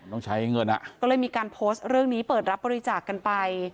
ต้องใช้เงินอ่ะก็เลยมีการโพสต์เรื่องนี้เปิดรับบริจาคกันไป